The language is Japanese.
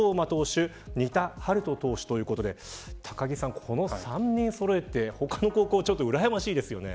高木さん、この３人そろえて他の高校はうらやましいですよね。